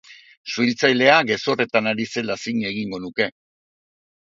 Suhiltzailea gezurretan ari zela zin egingo nuke.